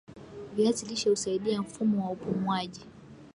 viazi lishe husaidia mfumo wa upumuaji